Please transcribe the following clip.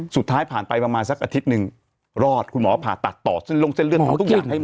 สุดท้ายผ่านไปประมาณสักอาทิตย์หนึ่งรอดคุณหมอผ่าตัดต่อเส้นลงเส้นเลือดทำทุกอย่างให้หมด